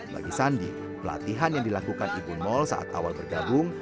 bagi sandi pelatihan yang dilakukan ibu nol saat awal bergabung